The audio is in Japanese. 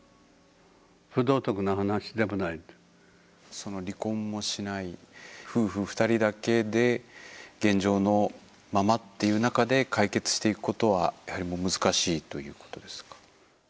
その離婚もしない夫婦二人だけで現状のままっていう中で解決していくことはやはりもう難しいということですか？